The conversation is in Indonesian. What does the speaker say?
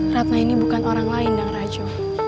ratna ini bukan orang lain dang raju